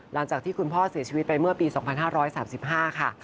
หลังจากที่คุณพ่อเสียชีวิตไปเมื่อปี๒๕๓๕ค่ะ